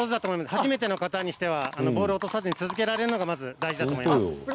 初めての方にしてはボールを落とさずに続けられるのが大事だと思います。